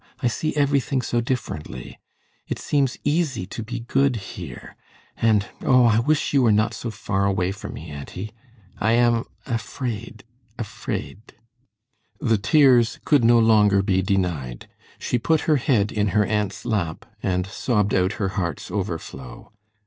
I see everything so differently. It seems easy to be good here, and, oh! I wish you were not so far away from me, auntie. I am afraid afraid " The tears could no longer be denied. She put her head in her aunt's lap and sobbed out her heart's overflow.